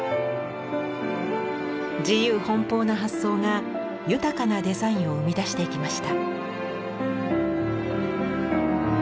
自由奔放な発想が豊かなデザインを生み出していきました。